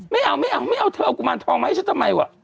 ไม่เอาไม่เอาไม่เอาเธอเอากุมารทองมาให้ฉันทำไมวะ